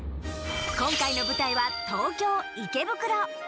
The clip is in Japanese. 今回の舞台は東京・池袋。